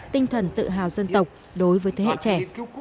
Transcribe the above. tinh thần tự hào dân tộc đối với thế hệ trẻ